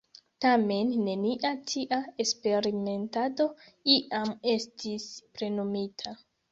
Tamen, nenia tia eksperimentado iam estis plenumita.